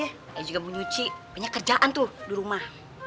ae juga mau nyuci banyak kerjaan tuh di rumah